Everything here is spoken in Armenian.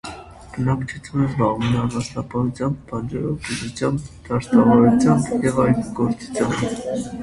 Բնակչությունը զբաղվում է անասնապահությամբ, բանջարաբուծությամբ, դաշտավարությամբ և այգեգործությամբ։